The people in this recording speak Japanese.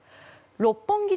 六本木